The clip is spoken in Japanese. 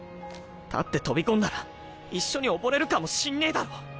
だって飛び込んだら一緒に溺れるかもしんねぇだろ！